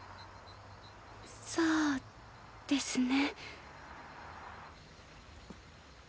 そうですね。